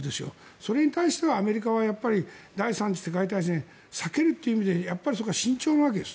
それに対してアメリカは第３次世界大戦を避けるという意味で慎重なわけです。